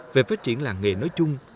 về phát triển làng nghề nói chung